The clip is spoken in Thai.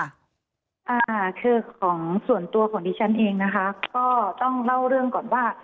อ่าคือของส่วนตัวของดิฉันเองนะคะก็ต้องเล่าเรื่องก่อนว่า